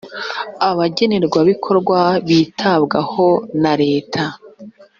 abagenerwabikorwa bitabwaho na leta.